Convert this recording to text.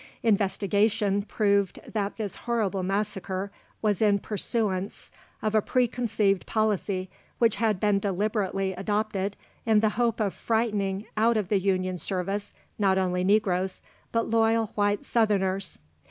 Investigation proved that this horrible massacre was in pursuance of a pre conceived policy, which had been deliberately adopted in the hope of frightening out of the Union service not only negroes, but loyal white Southerners.